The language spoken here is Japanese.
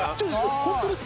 本当ですか？